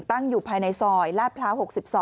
ตั้งอยู่ภายในซอยลาดพร้าว๖๒